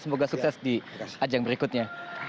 semoga sukses di ajang berikutnya